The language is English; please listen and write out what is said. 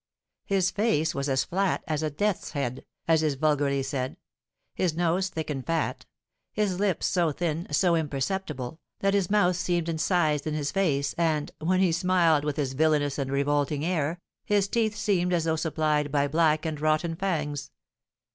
His face was as flat as a death's head, as is vulgarly said; his nose thick and flat; his lips so thin, so imperceptible, that his mouth seemed incised in his face, and, when he smiled with his villainous and revolting air, his teeth seemed as though supplied by black and rotten fangs.